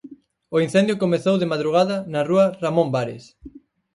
O incendio comezou de madrugada na rúa Ramón Bares.